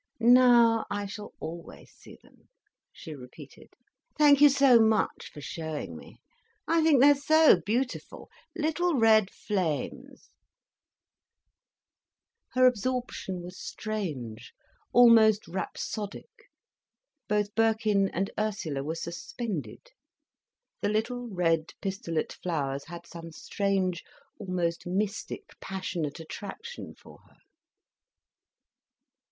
"Now I shall always see them," she repeated. "Thank you so much for showing me. I think they're so beautiful—little red flames—" Her absorption was strange, almost rhapsodic. Both Birkin and Ursula were suspended. The little red pistillate flowers had some strange, almost mystic passionate attraction for her.